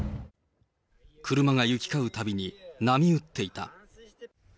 車が行き交うたびに、波打っていた。